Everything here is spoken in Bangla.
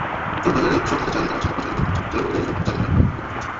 চালের বাজারে এসব ভাতের চাল নিয়ে তারা সাত-আট মাস আগে প্রবেশ করেছে।